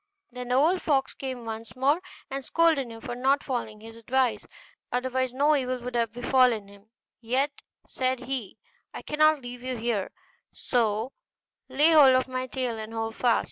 Then the old fox came once more, and scolded him for not following his advice; otherwise no evil would have befallen him: 'Yet,' said he, 'I cannot leave you here, so lay hold of my tail and hold fast.